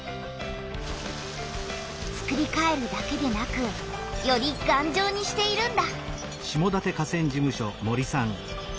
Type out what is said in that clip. つくりかえるだけでなくよりがんじょうにしているんだ。